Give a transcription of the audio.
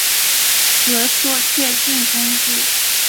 和硕悫靖公主。